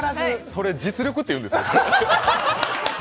それ実力っていうんですよ。